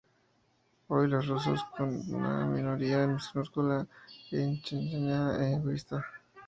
Hoy los rusos son una minoría minúscula en Chechenia e Ingusetia.